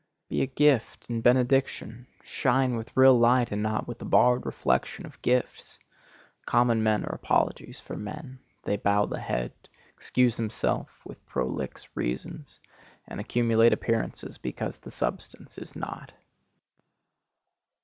Be a gift and a benediction. Shine with real light and not with the borrowed reflection of gifts. Common men are apologies for men; they bow the head, excuse themselves with prolix reasons, and accumulate appearances because the substance is not.